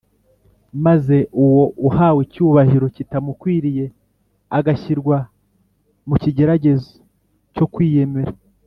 . Maze uwo uhawe icyubahiro kitamukwiriye agashyirwa mu kigeragezo cyo kwiyemera